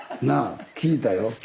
なあ聞いたよ。